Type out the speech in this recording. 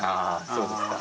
そうですか。